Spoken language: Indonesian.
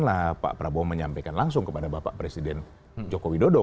nah pak prabowo menyampaikan langsung kepada bapak presiden joko widodo